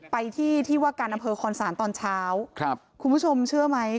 ไปที่ที่ว่าการอำเภอคอนศาลตอนเช้าครับคุณผู้ชมเชื่อไหม